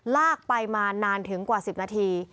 ลากไปมานานถึงกว่า๑๐นาที